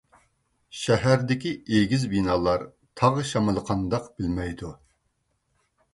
شەھەردىكى ئېگىز بىنالار، تاغ شامىلى قانداق بىلمەيدۇ.